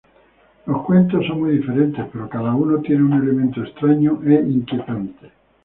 Los cuentos son muy diferentes, pero cada uno tiene un elemento extraño e inquietante.